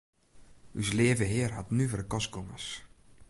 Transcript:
Us Leave Hear hat nuvere kostgongers.